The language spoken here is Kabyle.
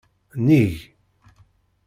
Nnig.